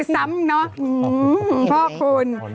ซ้ำเนอะพ่อคุณ